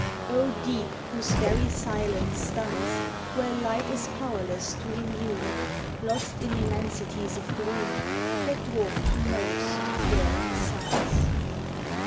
O Deep whose very silence stuns! Where Light is powerless to illume Lost in immensities of gloom That dwarf to motes the flaring suns.